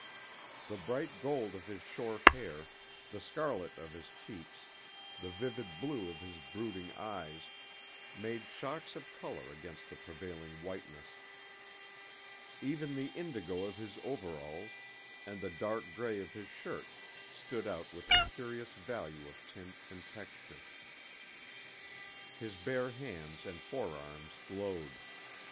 The bright gold of his short hair, the scarlet of his cheeks, the vivid blue of his brooding eyes, made shocks of color against the prevailing whiteness. Even the indigo of his overalls and the dark gray of his shirt stood out with a curious value of tint and texture. His bare hands and forearms glowed.